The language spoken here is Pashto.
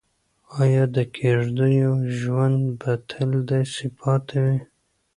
ایا د کيږديو ژوند به تل داسې پاتې وي؟